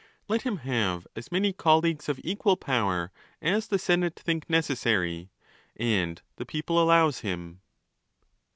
Let him have as many colleagues, of equal power, as the senate think necessary, and the people allows him.